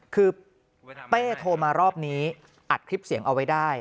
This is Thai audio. คือเป้โทรมารอบนี้อัดคลิปเสียงเอาไว้ได้